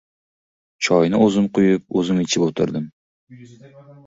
Choyni o‘zim quyib, o‘zim ichib o‘tirdim.